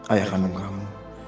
ayah kandung kamu